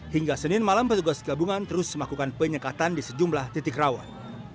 hingga senin malam petugas gabungan terus melakukan penyekatan di sejumlah titik rawan